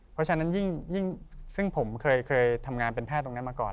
เพราะฉะนั้นยิ่งซึ่งผมเคยทำงานเป็นแพทย์ตรงนี้มาก่อน